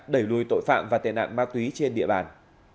đẩy lùi tội phạm và tệ nạn ma túy trên địa bàn